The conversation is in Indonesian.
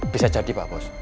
bisa jadi pak bos